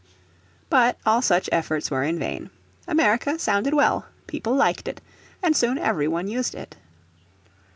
But all such efforts were in vain. America sounded well, people liked it, and soon every one used it.